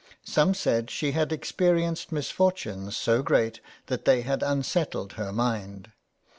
Some said she had experienced misfortunes so great that they had unsettled her mind.